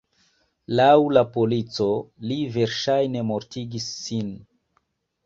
Laŭ la polico, li verŝajne mortigis sin.